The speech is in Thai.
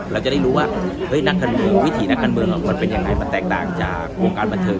เราจะได้รู้ว่านักการเมืองวิถีนักการเมืองมันเป็นยังไงมันแตกต่างจากวงการบันเทิง